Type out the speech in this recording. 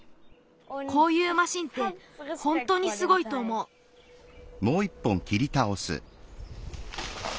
こういうマシンってほんとにすごいとおもう。